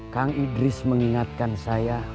kang idris mengingatkan saya